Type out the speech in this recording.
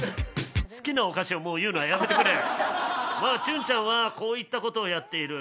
まあちゅんちゃんはこういった事をやっている。